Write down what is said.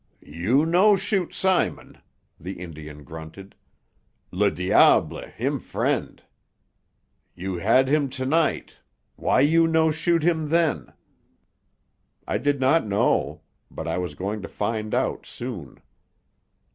"You no shoot Simon," the Indian grunted. "Le diable him frien'. You had him to night; why you no shoot him then?" I did not know. But I was going to find out soon.